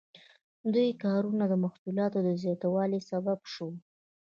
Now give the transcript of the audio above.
دې کارونو د محصولاتو د زیاتوالي سبب شو.